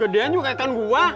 gedean juga ikan gua